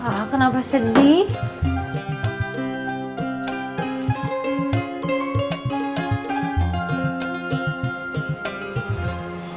pak kenapa sedih